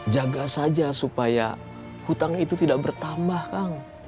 jaga saja supaya hutang itu tidak bertambah kang